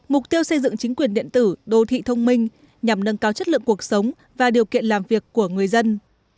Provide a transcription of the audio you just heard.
mục tiêu xây dựng chính quyền điện tử đô thị thông minh nhằm nâng cao chất lượng cuộc sống và điều kiện làm việc của người dân